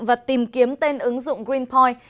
và tìm kiếm tên ứng dụng greenpoint